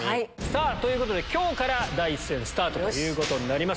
ということで今日から第１戦スタートということになります。